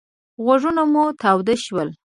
غوږونه مو تاوده شول.